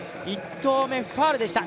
１投目ファウルでした。